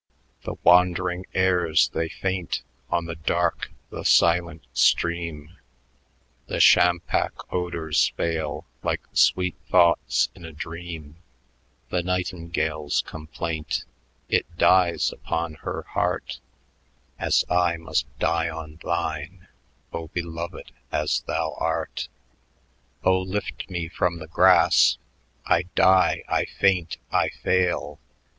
"The wandering airs they faint On the dark, the silent stream The champak odors fail Like sweet thoughts in a dream; The nightingale's complaint It dies upon her heart, As I must die on thine O beloved as thou art! "Oh lift me from the grass! I die, I faint, I fail!